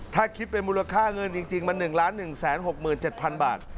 ถ้าคิดเป็นมูลค่าเงินจริงมัน๑๑๖๗๐๐บาท